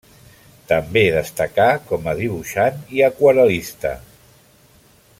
També destacà com a dibuixant i aquarel·lista.